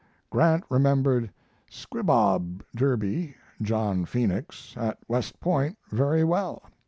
Grant remembered 'Squibob' Derby (John Phoenix) at West Point very well.